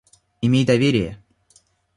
Имей доверие.